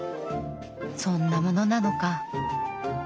そんなものなのか。